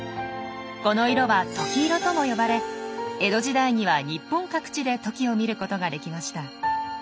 この色は「朱鷺色」とも呼ばれ江戸時代には日本各地でトキを見ることができました。